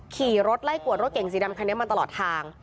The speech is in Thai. ขี่รถไล่กวดรถเก่งสีดำคันนี้มาตลอดทาง